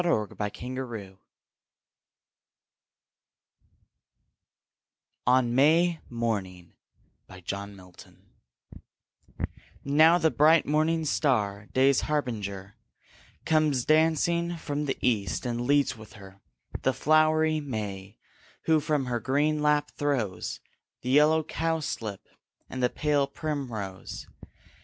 Robert Herrick RAINBOW GOLD ON MAY MORNING Now the bright morning star, day's harbinger, Comes dancing from the east, and leads with her The flow'ry May, who from her green lap throws The yellow cowslip, and the pale primrose.